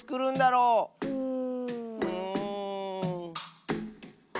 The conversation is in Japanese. うん！